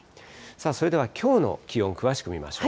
それではきょうの気温、詳しく見ましょう。